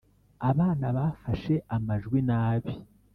abana bafashe amajwi nabi